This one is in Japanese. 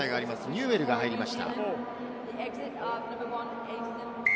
ニューウェルが入りました。